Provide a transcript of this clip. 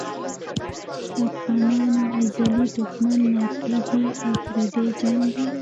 د افغانانو ازلي دښمن ناپوهي او پردی جنګ دی.